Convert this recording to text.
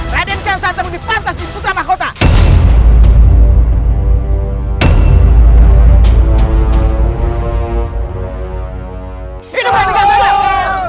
raden kian santap ini pantas di utara mahkota